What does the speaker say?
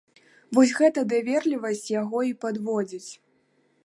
Вось гэта даверлівасць яго і падводзіць.